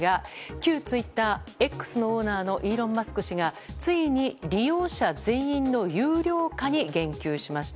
旧ツイッター「Ｘ」のオーナーのイーロン・マスク氏がついに利用者全員の有料化に言及しました。